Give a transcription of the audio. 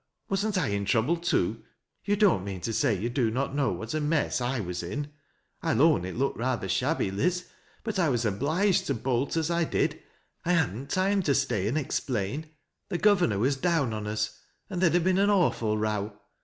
" Wasn't I in troa blcj too 1 Yon don't mean to say you did not know what i mess I was in ? I'll own it looked rather shabby, Liz, but 1 was obliged to bolt as I did. I hadn't time to stay and explain. The governor was down on us, and there'd have been an awful row.